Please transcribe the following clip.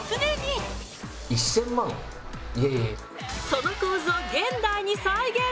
その構図を現代に再現。